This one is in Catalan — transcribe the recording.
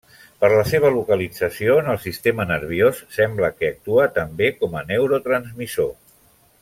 Per la seva localització en el sistema nerviós sembla que actua també com a neurotransmissor.